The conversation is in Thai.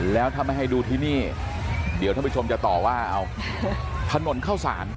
แล้วถ้าไม่ให้ดูที่นี่เดี๋ยวท่านผู้ชมจะต่อว่าเอาถนนเข้าสาร